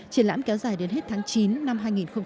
triển lãm kéo dài đến hết tháng chín năm hai nghìn hai mươi